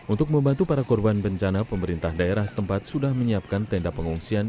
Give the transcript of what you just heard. untuk membantu para korban bencana pemerintah daerah setempat sudah menyiapkan tenda pengungsian